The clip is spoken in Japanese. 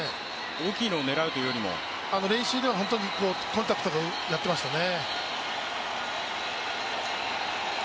大きい打撃というよりも練習ではコンパクトにやってましたね。